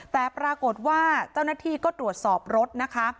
แต่ปรากฏว่าเจ้าหน้าที่ก็ตรวจสอบรถนะคะ